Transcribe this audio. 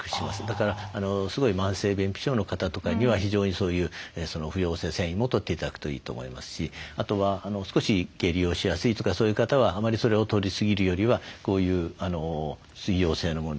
だからすごい慢性便秘症の方とかには非常にそういう不溶性繊維もとって頂くといいと思いますしあとは少し下痢をしやすいとかそういう方はあまりそれをとりすぎるよりはこういう水溶性のものですね。